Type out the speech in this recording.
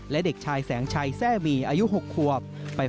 และเด็กชายแสงชัยแทร่มีอายุ๖ควบ